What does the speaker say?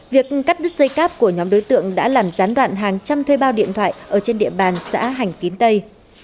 việc cắt đứt dây cáp của nhóm đối tượng đã làm gián đoạn hàng trăm thuê bao điện thoại ở trên địa bàn xã hành tín tây